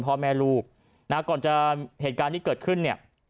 พ่อแม่ลูกนะก่อนจะเหตุการณ์ที่เกิดขึ้นเนี่ย